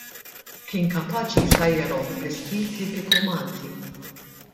Kien kapaċi jsajjarhom bl-istil tipiku Malti.